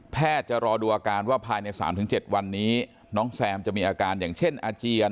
จะรอดูอาการว่าภายใน๓๗วันนี้น้องแซมจะมีอาการอย่างเช่นอาเจียน